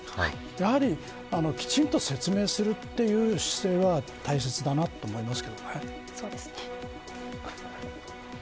やはり、きちんと説明するという姿勢は大切だなと思います。